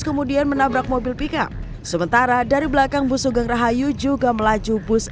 kemudian menabrak mobil pickup sementara dari belakang bus sugeng rahayu juga melaju bus